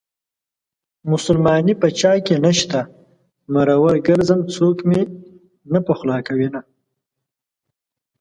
مسلماني په چاكې نشته مرور ګرځم څوك مې نه پخولاكوينه